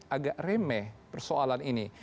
agak remeh persoalan ini